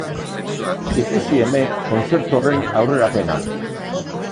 Ikusi hemen kontzertu horren aurrerapena!